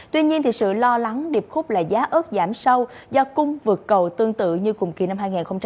tuy nhiên sự lo lắng điệp khúc là giá ớt giảm sâu do cung vượt cầu tương tự như cùng kỳ năm hai nghìn hai mươi ba